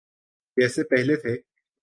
جیسے پہلے تھے۔